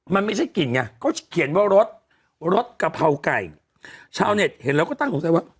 มันไม่ใช่กลิ่นไงเขาเขียนว่ารสรสกะเพราไก่ชาวเน็ตเห็นแล้วก็ตั้งสงสัยว่า